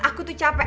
aku tuh capek